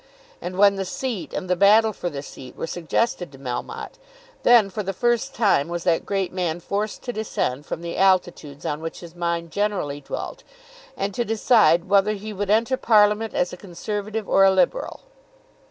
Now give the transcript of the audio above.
And when the seat, and the battle for the seat, were suggested to Melmotte, then for the first time was that great man forced to descend from the altitudes on which his mind generally dwelt, and to decide whether he would enter Parliament as a Conservative or a Liberal.